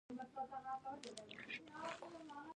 • د ماشومتوب د یادونو لپاره کښېنه.